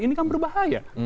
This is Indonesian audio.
ini kan berbahaya